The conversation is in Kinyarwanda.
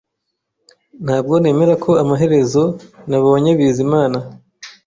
Ntabwo nemera ko amaherezo nabonye Bizimana